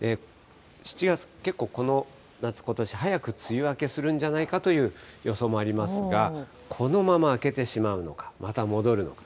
７月、けっこうこの夏、ことし早く梅雨明けするんじゃないかという予想もありますが、このまま明けてしまうのか、また戻るのか。